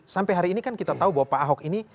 sampai hari ini kan kita tahu bahwa pak ahok ini